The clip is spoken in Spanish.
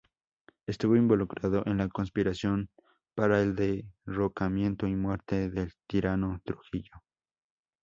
Estuvo involucrado en la conspiración para el derrocamiento y muerte del tirano Trujillo.